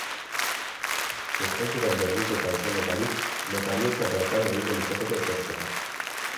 Eskaintzetan berdinketa izango balitz notariotza bertan egingo litzateke zozketa.